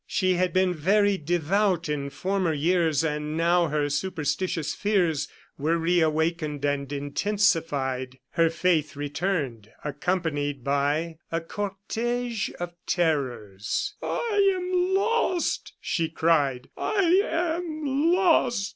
She had been very devout in former years, and now her superstitious fears were reawakened and intensified. Her faith returned, accompanied by a cortege of terrors. "I am lost!" she cried; "I am lost!"